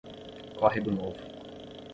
Córrego Novo